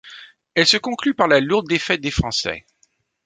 Elle se conclut par la lourde défaite des Français.